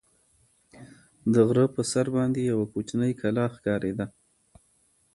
د غره په سر باندې یوه کوچنۍ کلا ښکارېده.